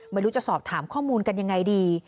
ไม่รู้จะสอบถามข้อมูลกันยังไงดี